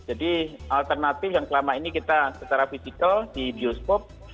jadi alternatif yang kelama ini kita secara fisikal di viewscope